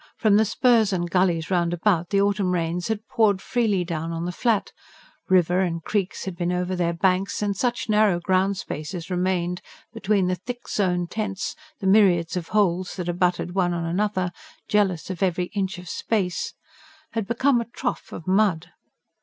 From the spurs and gullies round about, the autumn rains had poured freely down on the Flat; river and creeks had been over their banks; and such narrow ground space as remained between the thick sown tents, the myriads of holes that abutted one on another, jealous of every inch of space, had become a trough of mud.